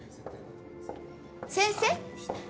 先生。